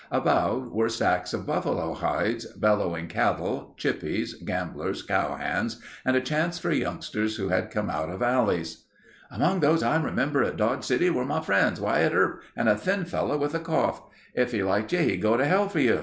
About were stacks of buffalo hides, bellowing cattle, "chippies," gamblers, cow hands, and a chance for youngsters who had come out of alleys. "... Among those I remember at Dodge City were my friends Wyatt Earp and a thin fellow with a cough. If he liked you he'd go to hell for you.